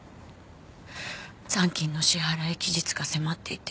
残金の支払期日が迫っていて。